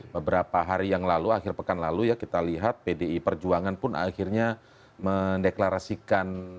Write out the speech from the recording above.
beberapa hari yang lalu akhir pekan lalu ya kita lihat pdi perjuangan pun akhirnya mendeklarasikan